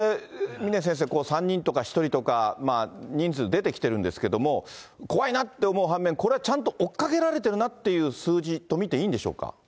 これ、峰先生、３人とか１人とか人数出てきてるんですけれども、怖いなって思う反面、これ、ちゃんと追っかけられてるなっていう数字と見ていいんでしょうか。